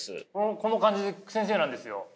この感じで先生なんですよ。